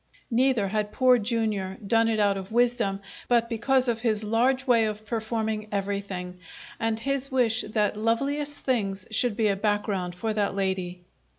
Neither had Poor Jr. done it out of wisdom, but because of his large way of performing everything, and his wish that loveliest things should be a background for that lady.